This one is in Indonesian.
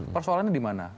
persoalan ini di mana